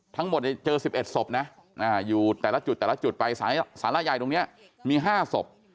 ทั้งหมดเจอ๑๑ศพนะอยู่แต่ละจุดแต่ละจุดไปสาระใหญ่ตรงนี้มี๕ศพ